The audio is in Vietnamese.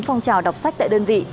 phong trào đọc sách tại đơn vị